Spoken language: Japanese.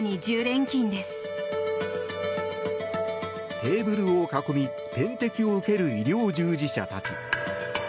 テーブルを囲み点滴を受ける医療従事者たち。